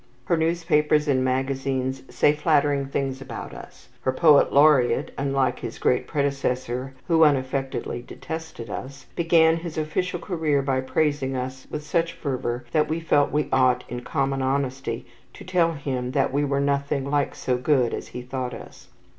Her newspapers and magazines say flattering things about us. Her poet laureate unlike his great predecessor who unaffectedly detested us began his official career by praising us with such fervour that we felt we ought in common honesty to tell him that we were nothing like so good as he thought us.